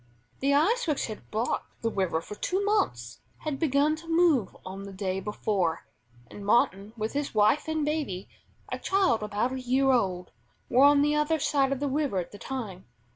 The ice which had blocked the river for two months, had begun to move on the day before, and Martin with his wife and baby a child about a year old were on the other side of the river at the time.